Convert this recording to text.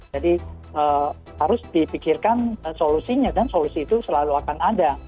jadi harus dipikirkan solusinya dan solusi itu selalu akan ada